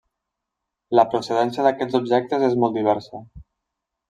La procedència d’aquests objectes és molt diversa.